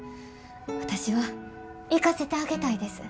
私は行かせてあげたいです。